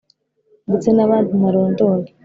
Ndetse n’abandi ntarondoye